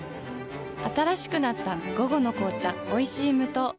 新しくなった「午後の紅茶おいしい無糖」